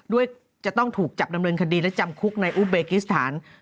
จะต้องถูกจับดำเนินคดีและจำคุกในอุเบกิสถาน